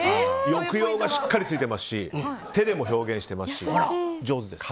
抑揚がしっかりついてますし手でも表現してますし上手です。